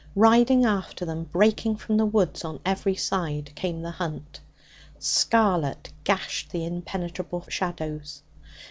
Riding after them, breaking from the wood on every side, came the Hunt. Scarlet gashed the impenetrable shadows.